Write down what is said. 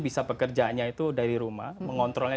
bisa pekerjaannya itu dari rumah mengontrolnya